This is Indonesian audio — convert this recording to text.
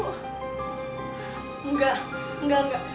enggak enggak enggak